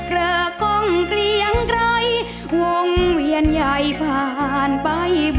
รุ่นดนตร์บุรีนามีดังใบปุ่ม